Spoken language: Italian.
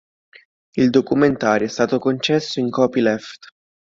Il documentario è stato concesso in copyleft.